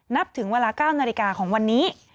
ถึงเวลา๙นาฬิกาของวันนี้